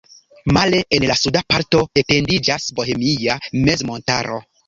Male en la suda parto etendiĝas Bohemia mezmontaro.